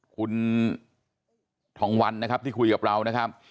คุณทองวันนะครับที่คุยกับเรานะครับ